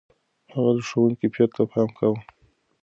هغه د ښوونې کيفيت ته پام کاوه.